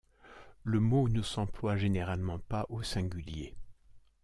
Le mot ne s'emploie généralement pas au singulier.